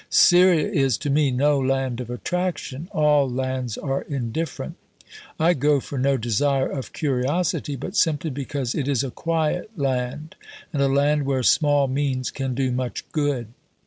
Syria is, to me, no land of attraction, all lands are indifferent. I go for no desire of curiosity, but simply because it is a quiet land and a land where small means can do much good.